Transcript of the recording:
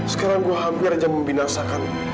sekarang gue hampir aja membinasakan